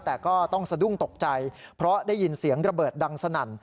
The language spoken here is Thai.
แต่ก็ต้องสะดุ้งตกใจเพราะได้ยินเสียงระเบิดดังสนั่น